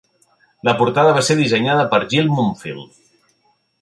La portada va ser dissenyada per Jill Mumfield.